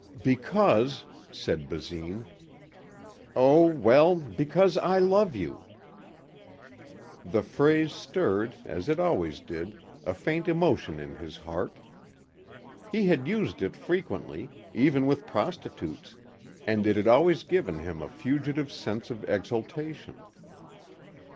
"Because," said Basine, "Oh well, because I love you." The phrase stirred, as it always did, a faint emotion in his heart. He had used it frequently, even with prostitutes, and it had always given him a fugitive sense of exaltation.